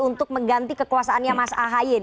untuk mengganti kekuasaannya mas ahaye